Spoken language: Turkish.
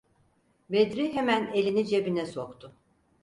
Bedri hemen elini cebine soktu.